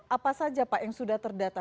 apa saja pak yang sudah terdata